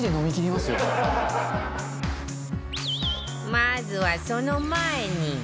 まずはその前に